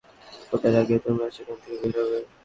আর আমি চাই দিনের আলো ফোটার আগেই তোমরা সেখান থেকে বের হবে।